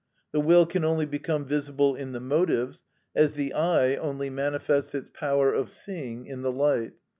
The will can only become visible in the motives, as the eye only manifests its power of seeing in the light.